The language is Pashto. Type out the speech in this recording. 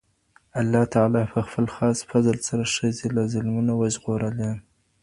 الله تعالی پخپل خاص فضل سره ښځي له ظلمونو وژغورلې.